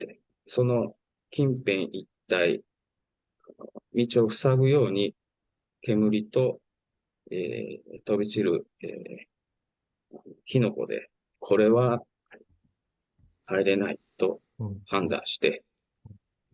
その近辺一帯、道を塞ぐように、煙と飛び散る火の粉で、これは帰れないと判断して。